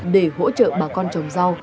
để hỗ trợ bà con trồng rau